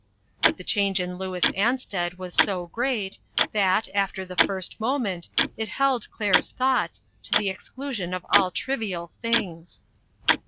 But the change in Louis Ansted was so great, that, after the first moment, it held Claire's thoughts, to the exclusion of all trivial things.